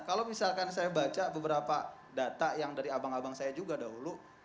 kalau misalkan saya baca beberapa data yang dari abang abang saya juga dahulu